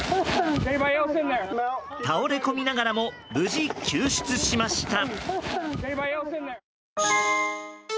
倒れこみながらも無事、救出しました。